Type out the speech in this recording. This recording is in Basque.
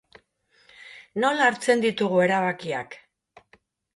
Nola hartzen ditugu erabakiak?